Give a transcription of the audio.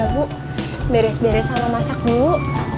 bu beres beres sama masak dulu